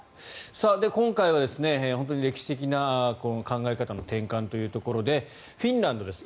今回は本当に歴史的な考え方の転換ということでフィンランドです。